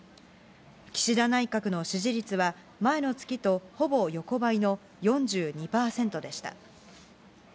岸田内閣の支持率は、前の月とほぼ横ばいの４２％でした。